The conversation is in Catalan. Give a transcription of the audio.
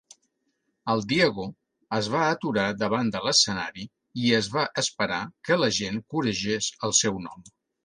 El Diego es va aturar davant de l'escenari i es va esperar que la gent coregés el seu nom.